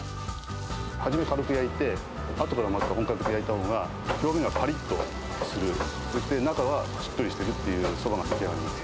初め軽く焼いて、あとからまた本格的に焼いたほうが、表面がぱりっとする、そして中はしっとりしてるっていうそばが出来上がるんで。